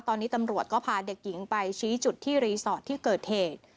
ตอนนี้ตำรวจก็พาเด็กหญิงไปชี้จุดที่รีสอร์ทที่เกิดเหตุ